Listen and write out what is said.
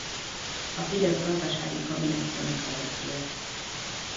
A Fidesz gazdasági kabinetjének vezetője.